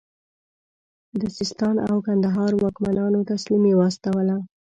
د سیستان او کندهار واکمنانو تسلیمي واستوله.